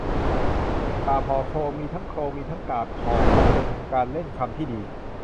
กาพย์ห่อโคลง มีทั้งโครง มีทั้งกาบ ห่อกัน เป็นการเล่นคำที่ดี